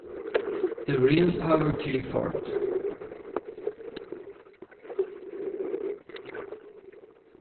The Real Poverty Report.